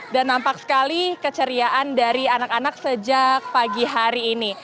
dan nampak sekali keceriaan dari anak anak sejak pagi hari ini